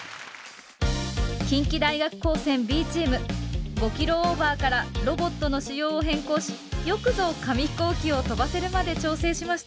近畿大学高専Ｂチーム５キロオーバーからロボットの仕様を変更しよくぞ紙ヒコーキを飛ばせるまで調整しました。